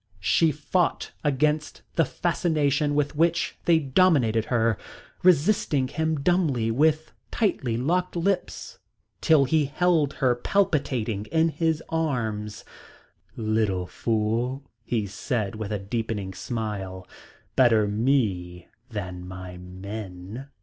She fought against the fascination with which they dominated her, resisting him dumbly with tight locked lips till he held her palpitating in his arms. "Little fool," he said with a deepening smile. "Better me than my men."